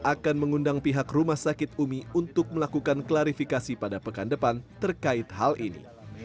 akan mengundang pihak rumah sakit umi untuk melakukan klarifikasi pada pekan depan terkait hal ini